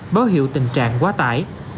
báo hiệu tình trạng quá tải